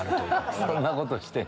そんなことしてんの？